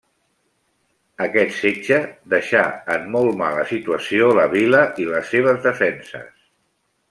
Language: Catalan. Aquest setge deixà en molt mala situació la vila i les seves defenses.